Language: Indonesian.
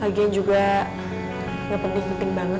bagian juga gak penting penting banget